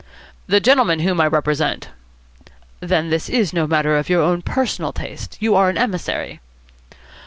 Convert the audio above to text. "The gentleman whom I represent " "Then this is no matter of your own personal taste? You are an emissary?"